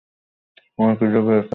আমার খিদে পেয়েছে।